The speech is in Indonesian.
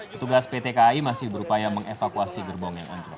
petugas pt kai masih berupaya mengevakuasi gerbong yang anjlok